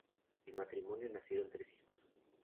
Del matrimonio nacieron tres hijos.